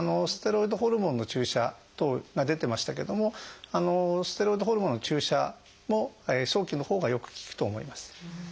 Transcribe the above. ステロイドホルモンの注射等が出てましたけどもステロイドホルモンの注射も早期のほうがよく効くと思います。